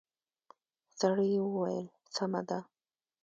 سړي وويل سمه ده.